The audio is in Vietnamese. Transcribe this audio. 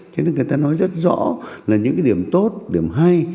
cho nên người ta nói rất rõ là những cái điểm tốt điểm hay